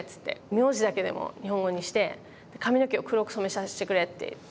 名字だけでも日本語にしてで髪の毛を黒く染めさしてくれって言って。